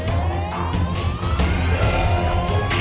itu kan mejanya putri